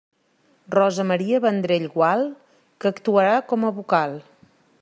Rosa Maria Vendrell Gual, que actuarà com a vocal.